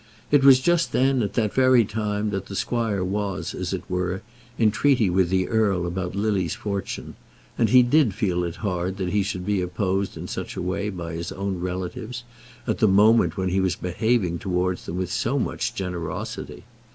It was just then, at that very time, that the squire was, as it were, in treaty with the earl about Lily's fortune; and he did feel it hard that he should be opposed in such a way by his own relatives at the moment when he was behaving towards them with so much generosity.